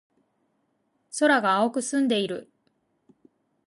空が青く澄んでいる。